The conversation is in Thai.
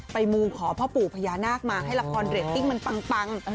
มูขอพ่อปู่พญานาคมาให้ละครเรตติ้งมันปัง